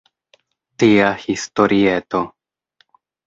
Tia historieto.